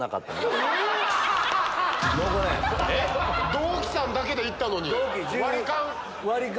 同期さんだけで行ったのに⁉割り勘？